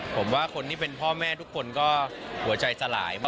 ผมว่าคนที่เป็นพ่อแม่ทุกคนก็หัวใจสลาย